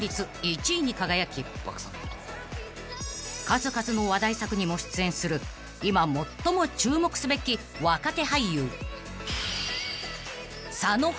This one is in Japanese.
［数々の話題作にも出演する今最も注目すべき若手俳優］